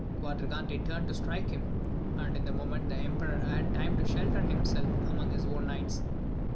Quadragante turned to strike him, and in that moment the emperor had time to shelter himself among his own knights.